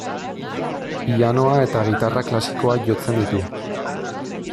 Pianoa eta gitarra klasikoa jotzen ditu.